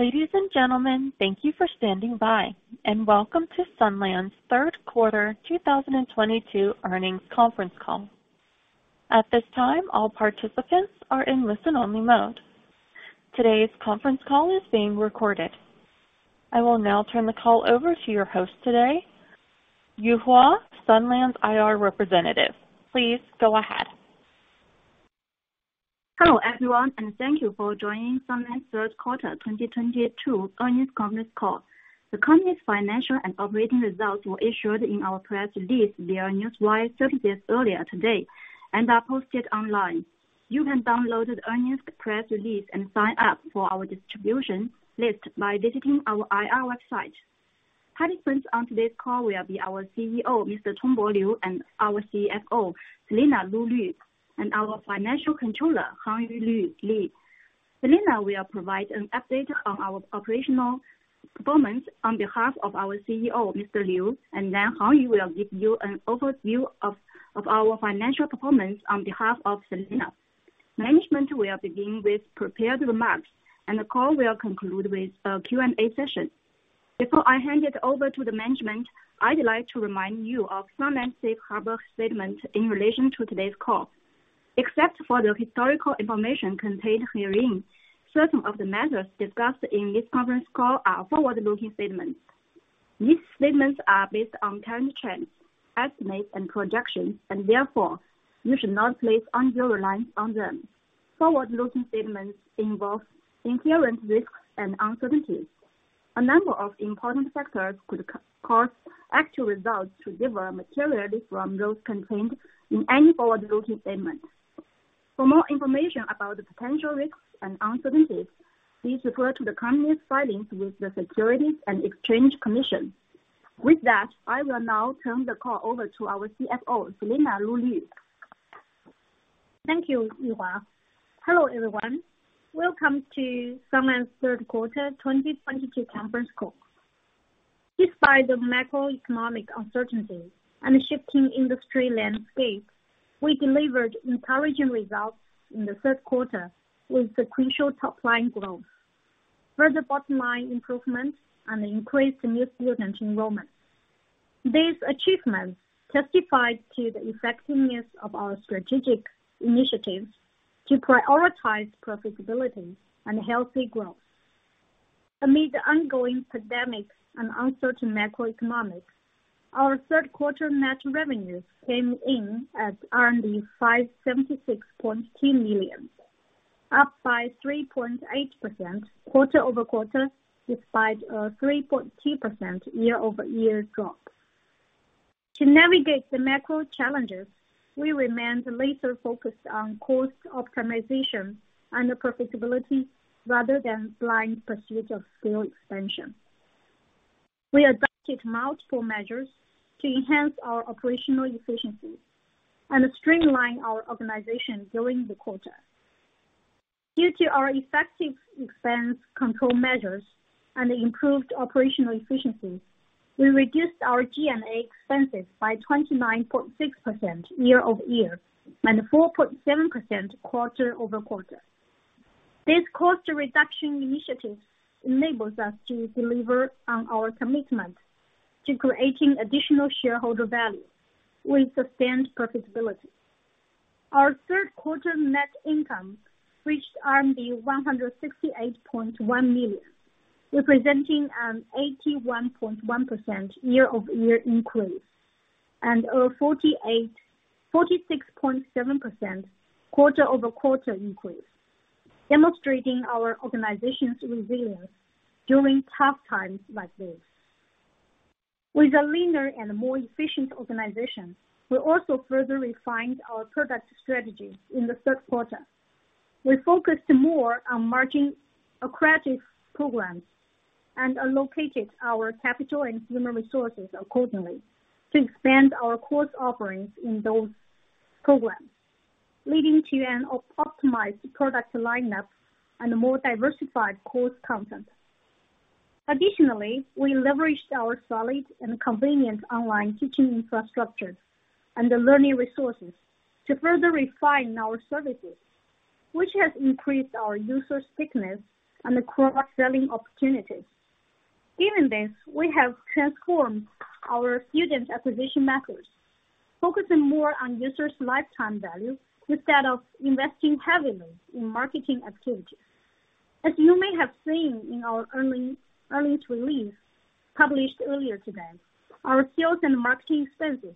Ladies and gentlemen, thank you for standing by, and welcome to Sunlands' third quarter 2022 earnings conference call. At this time, all participants are in listen-only mode. Today's conference call is being recorded. I will now turn the call over to your host today, Yuhua, Sunlands' IR representative. Please go ahead. Hello, everyone, and thank you for joining Sunlands' third quarter 2022 earnings conference call. The company's financial and operating results were issued in our press release via Newswire 30 days earlier today and are posted online. You can download the earnings press release and sign up for our distribution list by visiting our IR website. Participants on today's call will be our CEO, Mr. Tongbo Liu, and our CFO, Selena Lu Lv, and our Financial Controller, Hangyu Li. Selena will provide an update on our operational performance on behalf of our CEO, Mr. Liu, and then Hangyu will give you an overview of our financial performance on behalf of Selena. Management will begin with prepared remarks, and the call will conclude with a Q&A session. Before I hand it over to the management, I'd like to remind you of Sunlands safe harbor statement in relation to today's call. Except for the historical information contained herein, certain of the measures discussed in this conference call are forward-looking statements. These statements are based on current trends, estimates, and projections, and therefore you should not place undue reliance on them. Forward-looking statements involve inherent risks and uncertainties. A number of important factors could cause actual results to differ materially from those contained in any forward-looking statements. For more information about the potential risks and uncertainties, please refer to the company's filings with the Securities and Exchange Commission. I will now turn the call over to our CFO, Selena Lu Lv. Thank you, Yuhua. Hello, everyone. Welcome to Sunlands' third quarter 2022 conference call. Despite the macroeconomic uncertainties and shifting industry landscape, we delivered encouraging results in the third quarter with sequential top line growth, further bottom line improvements, and increased new student enrollment. These achievements testified to the effectiveness of our strategic initiatives to prioritize profitability and healthy growth. Amid the ongoing pandemic and uncertain macroeconomics, our third quarter net revenues came in at 576.2 million, up by 3.8% quarter-over-quarter, despite a 3.2% year-over-year drop. To navigate the macro challenges, we remained laser-focused on cost optimization and profitability rather than blind pursuit of scale expansion. We adopted multiple measures to enhance our operational efficiency and streamline our organization during the quarter. Due to our effective expense control measures and improved operational efficiencies, we reduced our G&A expenses by 29.6% year-over-year and 4.7% quarter-over-quarter. This cost reduction initiative enables us to deliver on our commitment to creating additional shareholder value with sustained profitability. Our third quarter net income reached RMB 168.1 million, representing an 81.1% year-over-year increase and a 46.7% quarter-over-quarter increase, demonstrating our organization's resilience during tough times like this. With a leaner and more efficient organization, we also further refined our product strategy in the third quarter. We focused more on margin accretive programs and allocated our capital and human resources accordingly to expand our course offerings in those programs, leading to an op-optimized product lineup and more diversified course content. Additionally, we leveraged our solid and convenient online teaching infrastructure and the learning resources to further refine our services, which has increased our user stickiness and cross-selling opportunities. Given this, we have transformed our student acquisition methods, focusing more on users' lifetime value instead of investing heavily in marketing activities. As you may have seen in our earnings release published earlier today, our sales and marketing expenses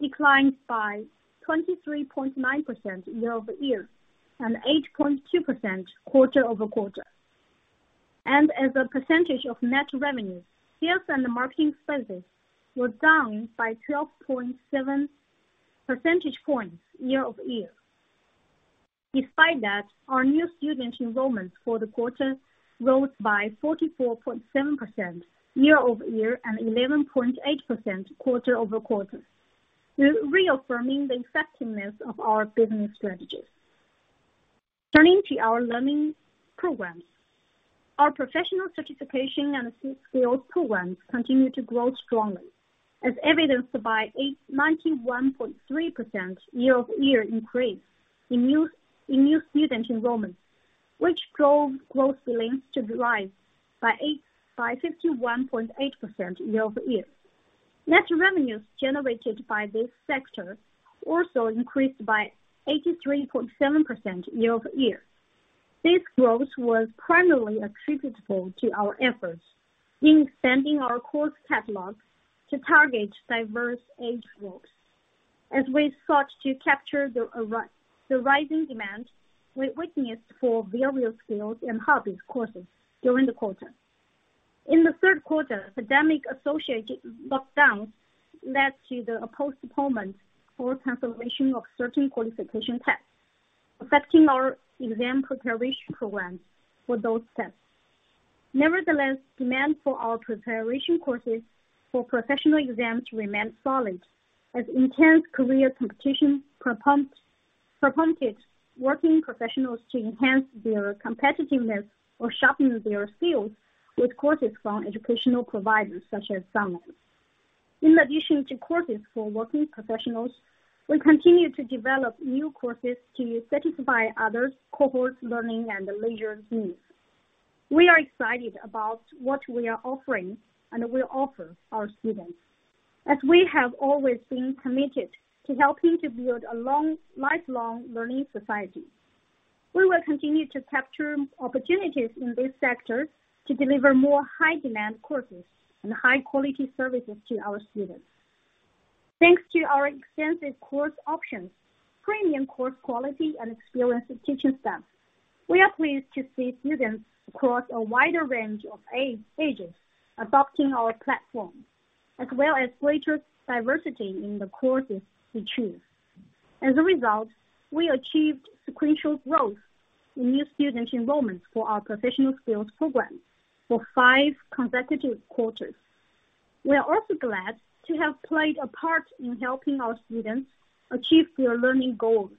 declined by 23.9% year-over-year and 8.2% quarter-over-quarter. As a percentage of net revenue, sales and marketing expenses were down by 12.7 percentage points year-over-year. Despite that, our new student enrollment for the quarter rose by 44.7% year-over-year and 11.8% quarter-over-quarter, reaffirming the effectiveness of our business strategies. Turning to our learning programs. Our Professional Certification and Skills Programs continue to grow strongly. As evidenced by 91.3% year-over-year increase in new student enrollment, which drove gross billings to rise by 51.8% year-over-year. Net revenues generated by this sector also increased by 83.7% year-over-year. This growth was primarily attributable to our efforts in expanding our course catalog to target diverse age groups, as we sought to capture the rising demand we witnessed for vocational skills and hobby courses during the quarter. In the third quarter, pandemic-associated lockdowns led to the postponements or transformation of certain qualification tests, affecting our exam preparation programs for those tests. Nevertheless, demand for our preparation courses for professional exams remained solid as intense career competition prompted working professionals to enhance their competitiveness or sharpen their skills with courses from educational providers such as Dangdang. In addition to courses for working professionals, we continue to develop new courses to satisfy other cohorts learning and leisure needs. We are excited about what we are offering and will offer our students, as we have always been committed to helping to build a lifelong learning society. We will continue to capture opportunities in this sector to deliver more high-demand courses and high-quality services to our students. Thanks to our extensive course options, premium course quality, and experienced teaching staff, we are pleased to see students across a wider range of ages adopting our platform, as well as greater diversity in the courses they choose. We achieved sequential growth in new student enrollments for our Professional Skills Program for five consecutive quarters. We are also glad to have played a part in helping our students achieve their learning goals,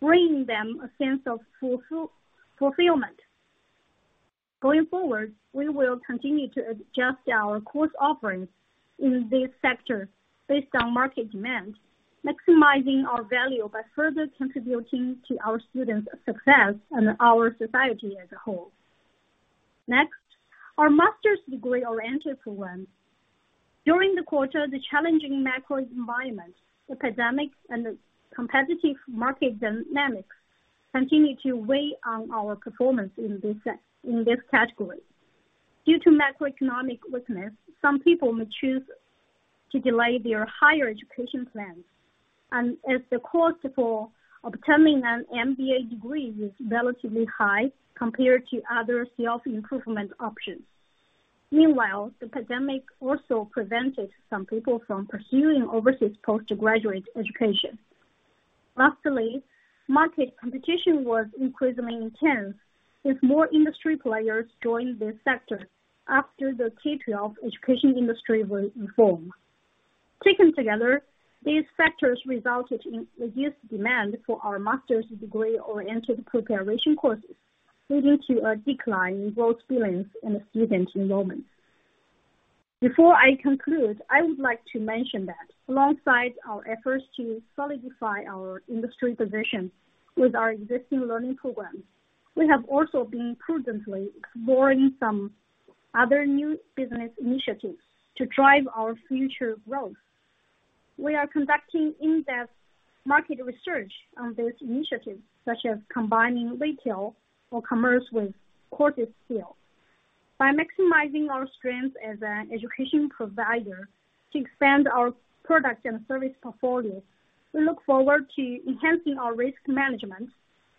bringing them a sense of fulfillment. Going forward, we will continue to adjust our course offerings in this sector based on market demand, maximizing our value by further contributing to our students' success and our society as a whole. Our Master's Degree-Oriented Programs. During the quarter, the challenging macro environment, the pandemic, and the competitive market dynamics continued to weigh on our performance in this category. Due to macroeconomic weakness, some people may choose to delay their higher education plans, the cost for obtaining an MBA degree is relatively high compared to other self-improvement options. Meanwhile, the pandemic also prevented some people from pursuing overseas postgraduate education. Lastly, market competition was increasingly intense as more industry players joined this sector after the K-12 education industry was reformed. Taken together, these factors resulted in reduced demand for our master's degree-oriented preparation courses, leading to a decline in gross billings and student enrollments. Before I conclude, I would like to mention that alongside our efforts to solidify our industry position with our existing learning programs, we have also been prudently exploring some other new business initiatives to drive our future growth. We are conducting in-depth market research on these initiatives, such as combining retail or commerce with courses sales. By maximizing our strengths as an education provider to expand our product and service portfolio, we look forward to enhancing our risk management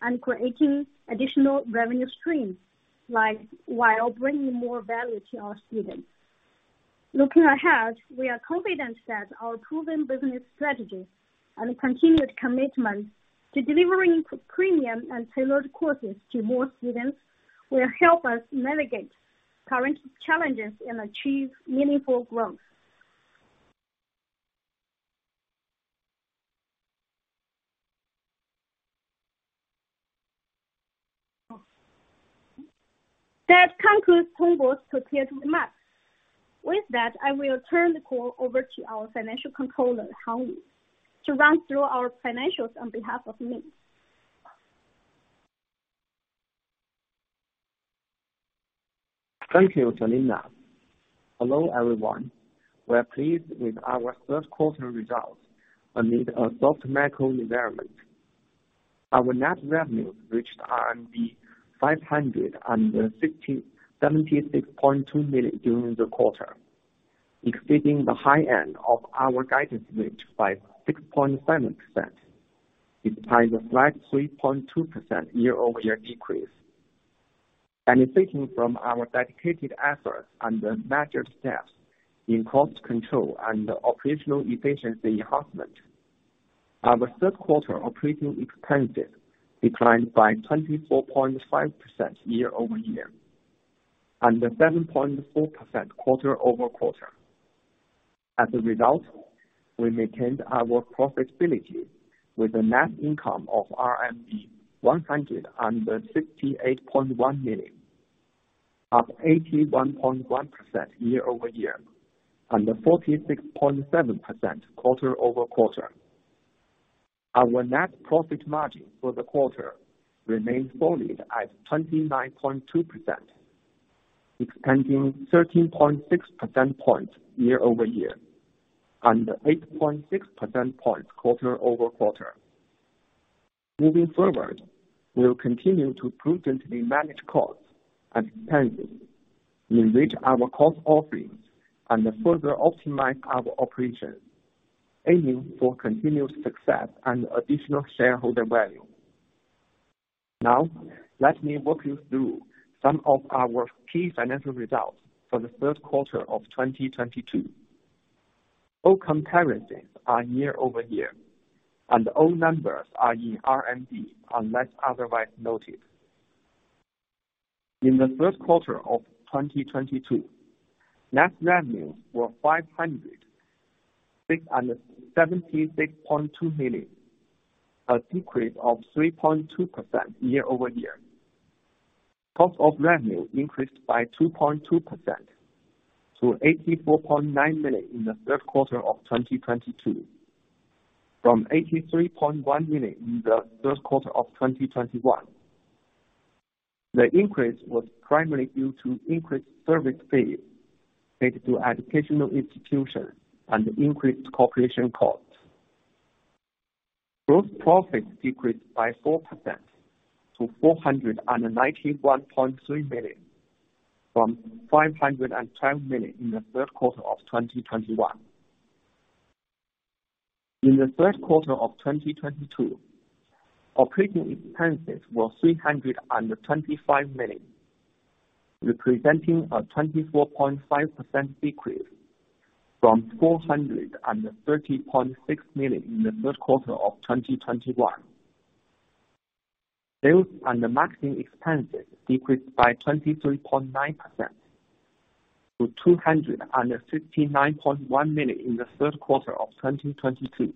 and creating additional revenue streams, like, while bringing more value to our students. Looking ahead, we are confident that our proven business strategy and continued commitment to delivering premium and tailored courses to more students will help us mitigate current challenges and achieve meaningful growth. That concludes Tongbo's prepared remarks. With that, I will turn the call over to our Financial Controller, Hangyu Li, to run through our financials on behalf of me. Thank you, Selena. Hello, everyone. We're pleased with our third quarter results amid a tough macro environment. Our net revenue reached 576.2 million during the quarter, exceeding the high end of our guidance range by 6.7%, despite a flat 3.2% year-over-year decrease. Benefiting from our dedicated efforts and the measured steps in cost control and operational efficiency enhancement, our third quarter operating expenses declined by 24.5% year-over-year and 7.4% quarter-over-quarter. As a result, we maintained our profitability with a net income of RMB 168.1 million. Up 81.1% year-over-year and 46.7% quarter-over-quarter. Our net profit margin for the quarter remained solid at 29.2%, expanding 13.6 percentage points year-over-year and 8.6 percentage points quarter-over-quarter. Moving forward, we will continue to prudently manage costs and expenses, enrich our course offerings and further optimize our operations, aiming for continued success and additional shareholder value. Now, let me walk you through some of our key financial results for the third quarter of 2022. All concurrencies are year-over-year and all numbers are in RMB unless otherwise noted. In the third quarter of 2022, net revenues were 576.2 million, a decrease of 3.2% year-over-year. Cost of revenue increased by 2.2% to 84.9 million in the third quarter of 2022 from 83.1 million in the third quarter of 2021. The increase was primarily due to increased service fees paid to educational institutions and increased cooperation costs. Gross profits decreased by 4% to 491.3 million from 512 million in the third quarter of 2021. In the third quarter of 2022, operating expenses were 325 million, representing a 24.5% decrease from 430.6 million in the third quarter of 2021. Sales and the marketing expenses decreased by 23.9% to 269.1 million in the third quarter of 2022,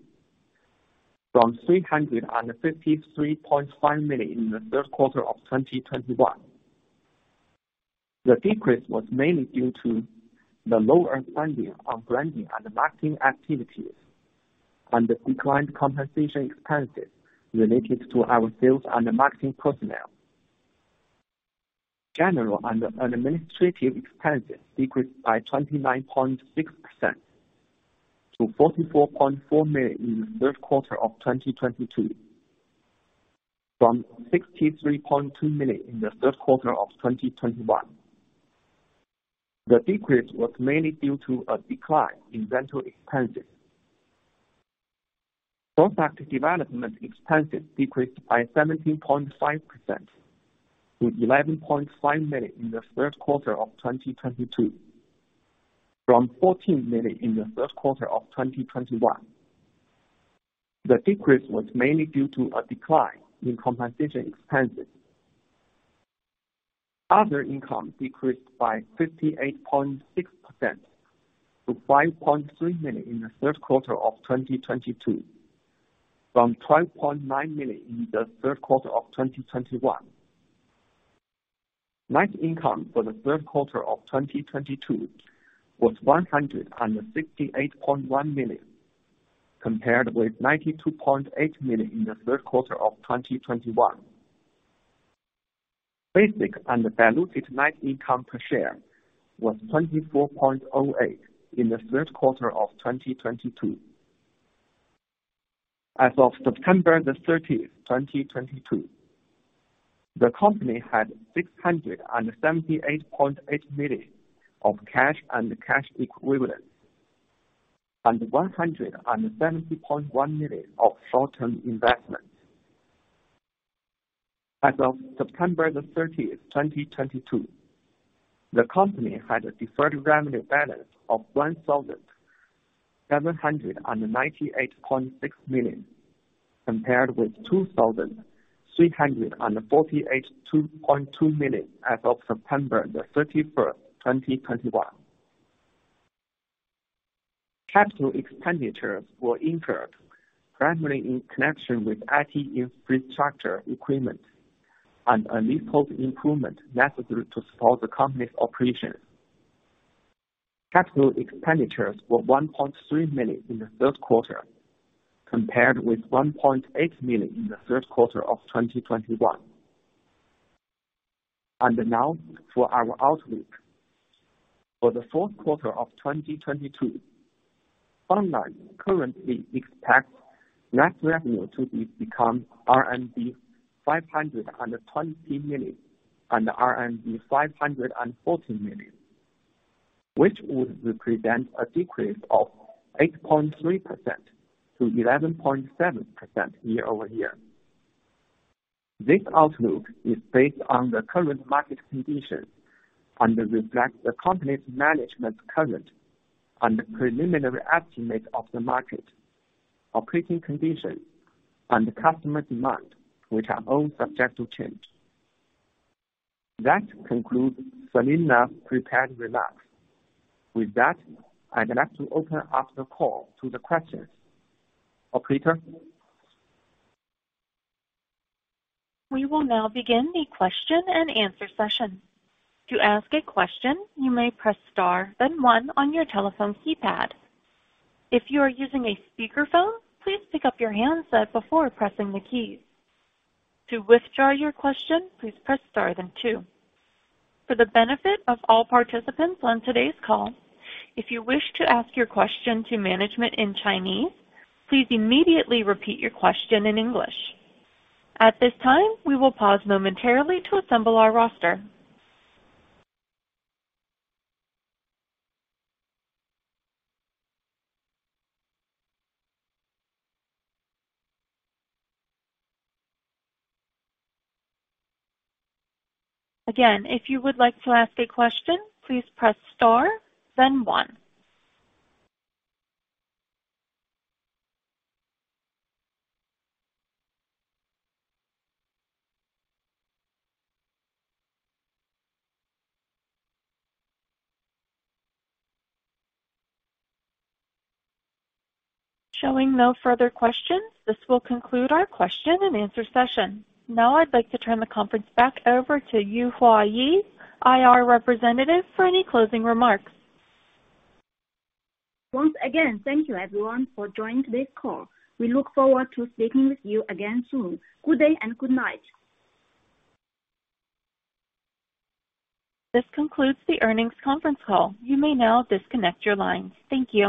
from 353.5 million in the third quarter of 2021. The decrease was mainly due to the lower spending on branding and marketing activities and the declined compensation expenses related to our sales and marketing personnel. General and Administrative expenses decreased by 29.6% to 44.4 million in the third quarter of 2022, from 63.2 million in the third quarter of 2021. The decrease was mainly due to a decline in rental expenses. Product development expenses decreased by 17.5% to 11.5 million in the third quarter of 2022, from 14 million in the third quarter of 2021. The decrease was mainly due to a decline in compensation expenses. Other income decreased by 58.6% to 5.3 million in the third quarter of 2022, from 12.9 million in the third quarter of 2021. Net income for the third quarter of 2022 was 168.1 million, compared with 92.8 million in the third quarter of 2021. Basic and diluted net income per share was 24.08 in the third quarter of 2022. As of September 30, 2022, the company had 678.8 million of cash and cash equivalents and 170.1 million of short-term investments. As of September 30th, 2022, the company had a deferred revenue balance of 1,798.6 million, compared with 2,348.2 million as of September 30th, 2021. Capital expenditures were incurred primarily in connection with IT infrastructure equipment and a leasehold improvement necessary to support the company's operations. Capital expenditures were 1.3 million in the third quarter, compared with 1.8 million in the third quarter of 2021. Now for our outlook. For the fourth quarter of 2022, Sunlands currently expects net revenue to become RMB 520 million and RMB 514 million, which would represent a decrease of 8.3%-11.7% year-over-year. This outlook is based on the current market conditions and reflects the company's management's current and preliminary estimate of the market operating conditions and customer demand, which are all subject to change. That concludes Selena prepared remarks. With that, I'd like to open up the call to the questions. Operator? We will now begin the question and answer session. To ask a question, you may press star then one on your telephone keypad. If you are using a speaker phone, please pick up your handset before pressing the keys. To withdraw your question, please press star then two. For the benefit of all participants on today's call, if you wish to ask your question to management in Chinese, please immediately repeat your question in English. At this time, we will pause momentarily to assemble our roster. Again, if you would like to ask a question, please press star then one. Showing no further questions, this will conclude our question and answer session. Now I'd like to turn the conference back over to Yuhua, IR Representative, for any closing remarks. Once again, thank you everyone for joining today's call. We look forward to speaking with you again soon. Good day and good night. This concludes the earnings conference call. You may now disconnect your line. Thank you.